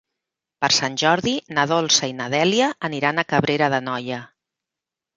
Per Sant Jordi na Dolça i na Dèlia aniran a Cabrera d'Anoia.